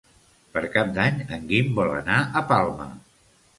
Per Cap d'Any en Guim vol anar a Palma.